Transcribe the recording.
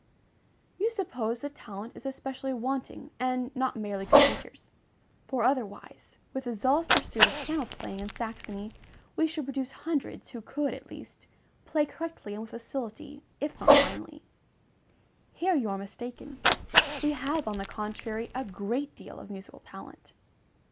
You suppose that talent is especially wanting, and not merely good teachers; for otherwise, with the zealous pursuit of piano playing in Saxony, we should produce hundreds who could, at least, play correctly and with facility, if not finely. Here you are mistaken: we have, on the contrary, a great deal of musical talent.